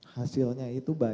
hasilnya itu banyak